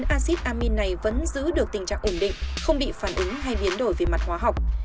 một mươi chín asit amin này vẫn giữ được tình trạng ổn định không bị phản ứng hay biến đổi về mặt hóa học